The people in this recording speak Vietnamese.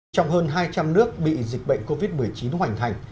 trong hơn hai trăm linh nước bị dịch bệnh covid một mươi chín hoành thành